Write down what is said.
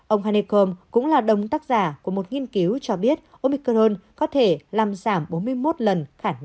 ông hanekom cũng là đồng tác giả của một nghiên cứu cho biết omicron có thể làm giảm bốn mươi một lần khả năng